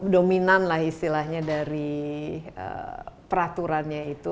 dominan lah istilahnya dari peraturannya itu